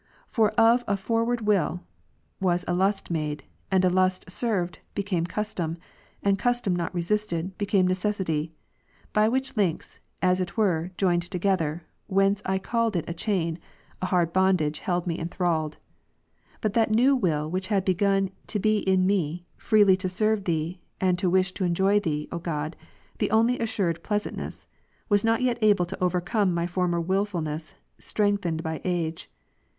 For of a froward will, was a lust made ; and a lust served, became custom; and custom not resisted, became necessity. By which links, as it were, joined toge ther (whence I called it a chain) a hard bondage held me en thralled. But that new will which had begun to be in me, freely to serve Thee, and to wish to enjoy Thee, O God, the only assured pleasantness, was not yet able to overcome my former wilfulness, strengthened by age.